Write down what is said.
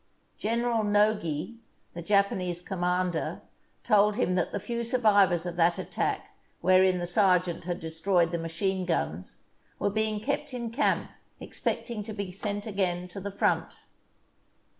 General Nogi, the Japanese commander, told him that the few survivors of that attack wherein the sergeant had destroyed the machine guns, were being kept in camp expecting to be sent again to the front.